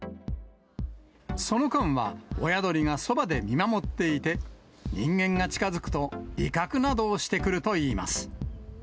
その間は、親鳥がそばで見守っていて、人間が近づくと威嚇などをしてくるといいます。